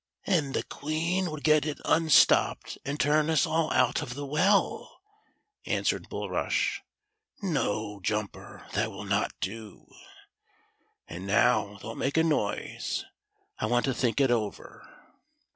" And the Queen would get it unstopped, and turn us all out of the well," answered Bulrush. " No, Jumper, that will not do. And now, don't make a noise ; I want to think it over."